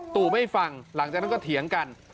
ตู่ไม่ฟังหลังจากนั้นก็เถียงกัน